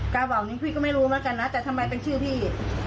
กระเป๋านี้พี่ก็ไม่รู้เหมือนกันนะแต่ทำไมเป็นชื่อพี่